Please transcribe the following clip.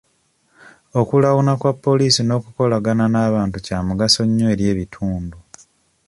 Okulawuna kwa poliisi n'okukolagana n'abantu kya mugaso nnyo eri ebitundu.